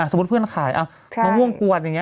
เพื่อนขายมะม่วงกวดอย่างนี้